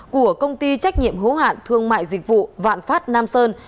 của công ty trách nhiệm hữu hạn thương mại dịch vụ vạn phát nam sơn